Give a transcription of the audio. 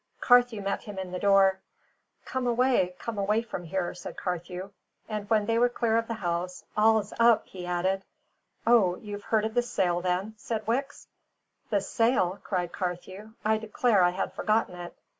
Carthew met him in the door. "Come away, come away from here," said Carthew; and when they were clear of the house, "All's up!" he added. "O, you've heard of the sale, then?" said Wicks. "The sale!" cried Carthew. "I declare I had forgotten it."